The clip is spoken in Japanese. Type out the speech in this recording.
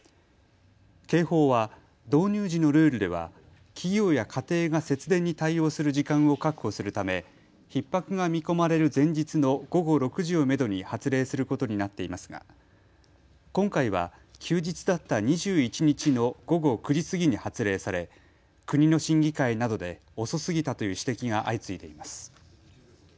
警報は導入時のルールでは企業や家庭が節電に対応する時間を確保するためひっ迫が見込まれる前日の午後６時をめどに発令することになっていますが今回は休日だった２１日の午後９時過ぎに発令され国の審議会などで遅すぎたという指摘が相次いでいます。